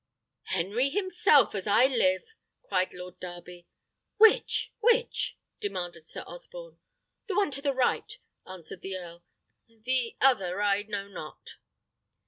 "Henry himself, as I live!" cried Lord Darby. "Which? which?" demanded Sir Osborne. "The one to the right," answered the earl; "the other I know not."